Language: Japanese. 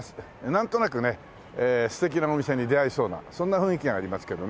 なんとなくね素敵なお店に出会いそうなそんな雰囲気がありますけどね。